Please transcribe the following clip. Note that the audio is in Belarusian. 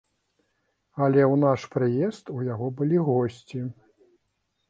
Але ў наш прыезд у яго былі госці.